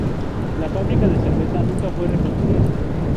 La fábrica de cerveza nunca fue reconstruida.